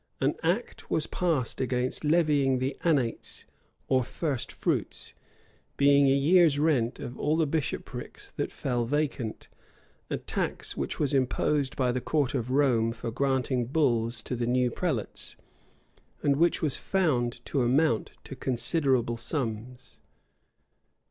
An act was passed against levying the annates or first fruits,[] being a year's rent of all the bishoprics that fell vacant; a tax which was imposed by the court of Rome for granting bulls to the new prelates, and which was found to amount to considerable sums.